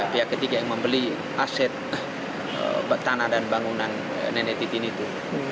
pihak ketiga yang membeli aset tanah dan bangunan nenek titin itu